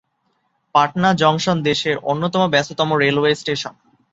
Patna junction দেশের অন্যতম ব্যস্ততম রেলওয়ে স্টেশন।